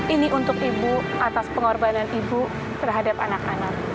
ini untuk ibu atas pengorbanan ibu terhadap anak anak